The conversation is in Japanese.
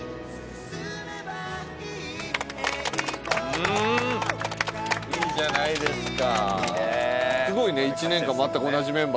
うんいいじゃないですか。